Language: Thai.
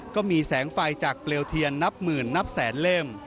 ก็มีแสงไฟจากเปลวเทียนนับหมื่นนับแสนเล่ม